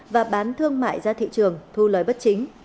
và bán thương mại ra thị trường thu lời bất chính